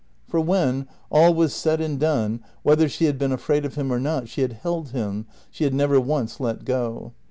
For, when all was said and done, whether she had been afraid of him or not, she had held him, she had never once let go.